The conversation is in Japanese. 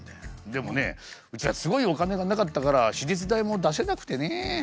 でもねうちはすごいお金がなかったから手術代も出せなくてね。